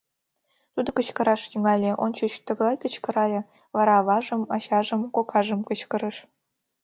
Тудо кычкыраш тӱҥале, ончыч тыглай кычкырале, вара аважым, ачажым, кокажым кычкырыш.